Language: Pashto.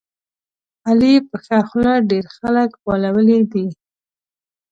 علي په ښه خوله ډېر خلک غولولي دي.